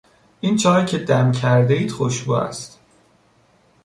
این چای که دم کردهاید خوشبو است.